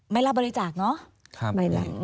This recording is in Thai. ไม่รับบริจาคเนอะ